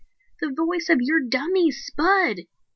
The voice of your dummy, Spud."